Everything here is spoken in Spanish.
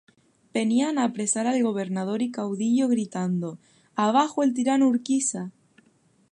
Venían a apresar al gobernador y caudillo gritando: "¡Abajo el tirano Urquiza!